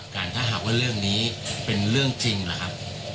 การทะหักว่าเรื่องนี้เป็นเรื่องจริงหรือครับ